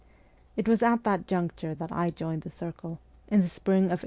It was at that juncture that I joined the circle, in the spring of 1872.